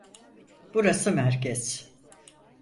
Burası merkez.